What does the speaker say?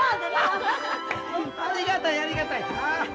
ありがたいありがたい。